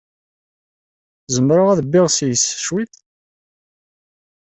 Zemreɣ ad bbiɣ seg-s cwiṭ?